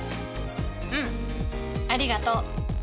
うんありがとう。